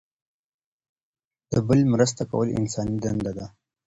د بل مرسته کول انساني دنده ده.